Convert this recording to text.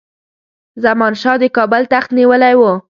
زمان شاه د کابل تخت نیولی وو.